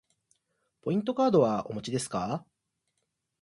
ポイントカードはお持ちですか。